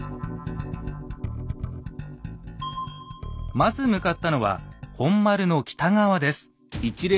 まず向かったのは本丸の北側です。